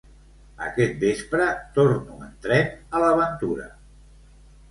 Aquest vespre torno en tren, a l'aventura!